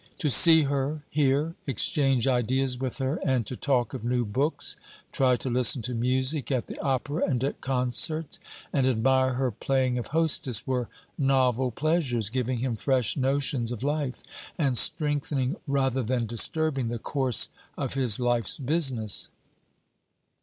To see her, hear, exchange ideas with her; and to talk of new books, try to listen to music at the opera and at concerts, and admire her playing of hostess, were novel pleasures, giving him fresh notions of life, and strengthening rather than disturbing the course of his life's business.